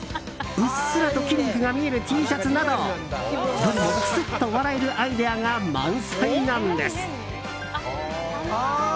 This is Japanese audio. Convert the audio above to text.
うっすらと筋肉が見えるＴシャツなどどれもクスッと笑えるアイデアが満載なんです。